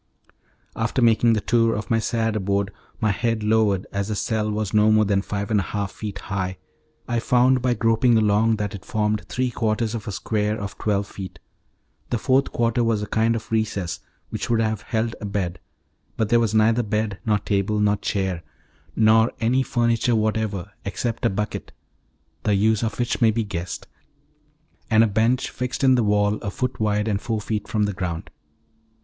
After making the tour of my sad abode, my head lowered, as the cell was not more than five and a half feet high, I found by groping along that it formed three quarters of a square of twelve feet. The fourth quarter was a kind of recess, which would have held a bed; but there was neither bed, nor table, nor chair, nor any furniture whatever, except a bucket the use of which may be guessed, and a bench fixed in the wall a foot wide and four feet from the ground.